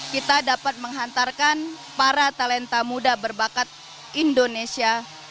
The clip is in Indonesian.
kita dapat menghantarkan para talenta muda berbakat indonesia